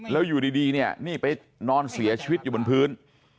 แล้วอยู่ดีเนี่ยนี่ไปนอนเสียชีวิตอยู่บนพื้น